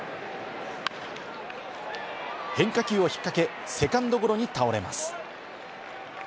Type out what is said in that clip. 変化球を引っかけ、セカンドゴロに倒れます。